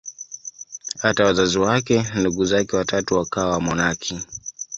Hata wazazi wake na ndugu zake watatu wakawa wamonaki.